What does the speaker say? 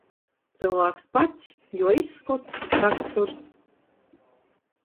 Cylvāks pats, juo izskots, raksturs.